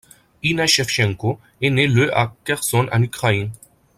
Inna Shevchenko est née le à Kherson en Ukraine.